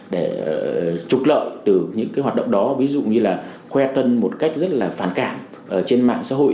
để trục lợi từ những cái hoạt động đó ví dụ như là khoe tân một cách rất là phản cảm trên mạng xã hội